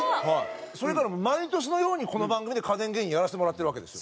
それから毎年のようにこの番組で家電芸人やらせてもらってるわけです。